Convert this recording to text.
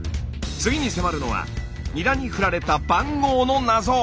次に迫るのはニラに振られた番号の謎。